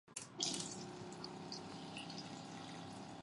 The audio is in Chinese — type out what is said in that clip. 曾有两条支线。